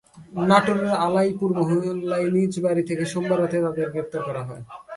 নাটোরের আলাইপুর মহল্লায় নিজ বাড়ি থেকে সোমবার রাতে তাঁদের গ্রেপ্তার করা হয়।